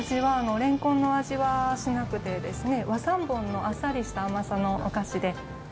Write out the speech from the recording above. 蓮根の味はしなくて和三盆のあっさりした甘さのお菓子で。